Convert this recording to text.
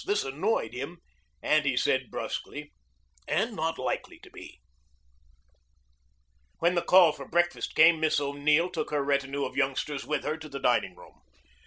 This annoyed him, so he added brusquely, "And not likely to be." When the call for breakfast came Miss O'Neill took her retinue of youngsters with her to the dining room.